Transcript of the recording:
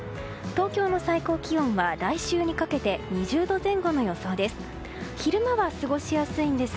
東京の最高気温は来週にかけて２０度前後の予想です。